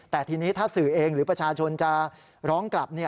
แต่ทีนี้ถ้าสื่อเองหรือประชาชนจะร้องกลับ